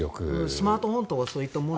スマートフォンとかそういったものを。